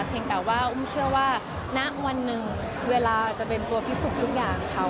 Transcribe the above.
แต่ว่าอุ้มเชื่อว่าณวันหนึ่งเวลาจะเป็นตัวพิสูจน์ทุกอย่างเขา